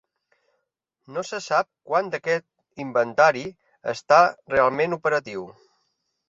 No se sap quant d'aquest inventari està realment operatiu.